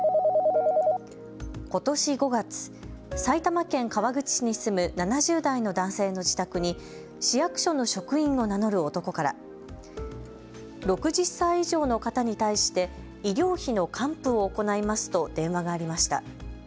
ことし５月、埼玉県川口市に住む７０代の男性の自宅に市役所の職員を名乗る男から６０歳以上の方に対して医療費の還付を行いますと電話がありました。